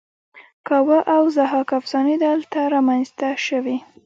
کاوه او ضحاک افسانې دلته رامینځته شوې